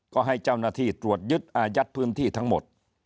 ก็ให้เจ้าหน้าที่ตรวจยึดอายัดพื้นที่ทั้งหมด